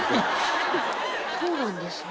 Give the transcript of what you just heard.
そうなんですね。